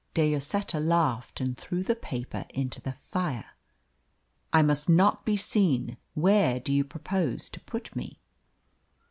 De Lloseta laughed and threw the paper into the fire. "I must not be seen. Where do you propose to put me?"